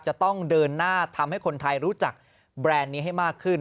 จะต้องเดินหน้าทำให้คนไทยรู้จักแบรนด์นี้ให้มากขึ้น